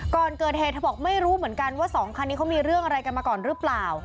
ก่อนเกิดเหตุเธอบอกไม่รู้เหมือนกันว่าสองคันนี้เขามีเรื่องอะไรกันมาก่อนหรือเปล่า